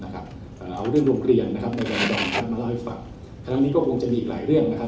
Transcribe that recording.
ตรงนี้ก็มีอีกหลายเรื่องนะครับ